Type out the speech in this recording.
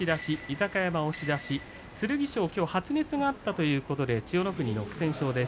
剣翔、きょう発熱があったということで千代の国の不戦勝です。